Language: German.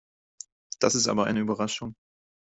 Das ist aber eine Überraschung.